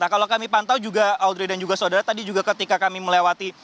nah kalau kami pantau juga audrey dan juga saudara tadi juga ketika kami melewati